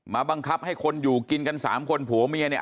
บังคับให้คนอยู่กินกัน๓คนผัวเมียเนี่ย